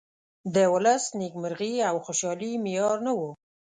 د ولس نیمکرغي او خوشالي معیار نه ؤ.